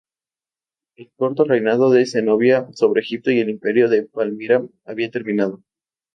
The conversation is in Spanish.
El corto reinado de Zenobia sobre Egipto y el Imperio de Palmira había terminado.